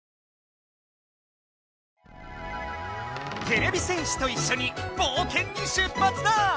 てれび戦士といっしょにぼうけんに出発だ！